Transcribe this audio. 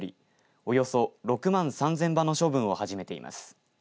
およそ６万３０００羽の処分を始めています。